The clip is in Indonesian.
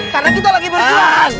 karena kita lagi berjuang